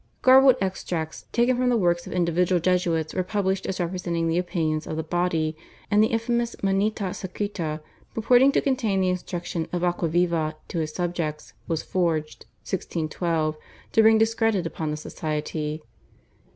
Garbled extracts taken from the works of individual Jesuits were published as representing the opinions of the body, and the infamous /Monita Secreta/, purporting to contain the instruction of Aquaviva to his subjects, was forged (1612) to bring discredit upon the Society.